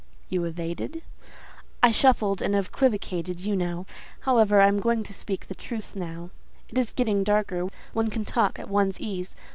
"You evaded?" "I shuffled and equivocated, you know. However, I am going to speak the truth now; it is getting darker; one can talk at one's ease.